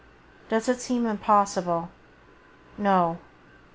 Does it seem impossible ? No.